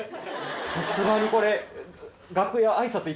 さすがにこれ。